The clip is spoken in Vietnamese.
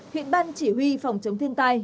huyện ban chỉ huy phòng chống thiên tai